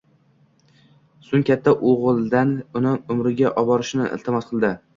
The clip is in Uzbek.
Soʻng katta oʻgʻildan uni umraga oborishini iltimos qildi.